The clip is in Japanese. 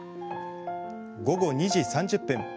午後２時３０分